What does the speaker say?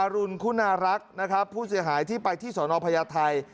รุนคุณารักษ์นะครับผู้เสียหายที่ไปที่สนพญาไทย